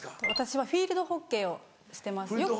私はフィールドホッケーをしてます。